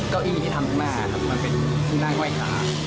เก้าอี้ที่ทำข้างหน้ามันเป็นซุ่มนางห้อยขา